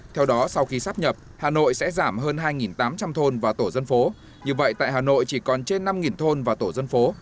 theo đó sau khi sắp nhập hà nội sẽ giảm hơn hai tám trăm linh thôn và tổ dân phố như vậy tại hà nội chỉ còn trên năm thôn và tổ dân phố